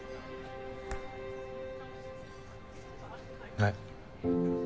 はい。